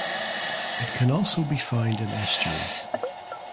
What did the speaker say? It can also be found in estuaries.